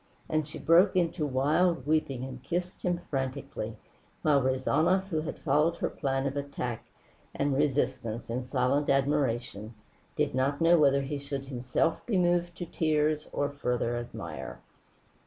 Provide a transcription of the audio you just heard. And she broke into wild weeping and kissed him frantically, while Rezanov who had followed her plan of attack and resistance in silent admiration, did not know whether he should himself be moved to tears or further admire.